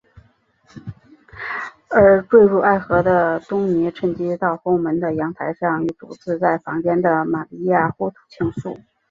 而坠入爱河的东尼趁机到后门的阳台上与独自在房间的玛利亚互吐情愫。